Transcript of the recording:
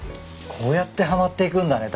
こうやってはまっていくんだね